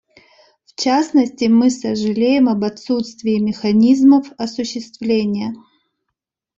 В частности, мы сожалеем об отсутствии механизмов осуществления.